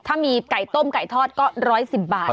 ถ้ามีไก่ต้มไก่ทอดก็๑๑๐บาท